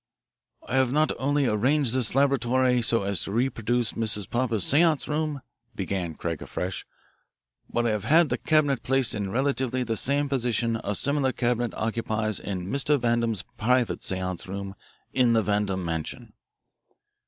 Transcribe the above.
"I have not only arranged this laboratory so as to reproduce Mrs. Popper's seance room," began Craig afresh, "but I have had the cabinet placed in relatively the same position a similar cabinet occupies in Mr. Vandam's private seance room in the Vandam mansion.